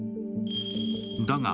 だが、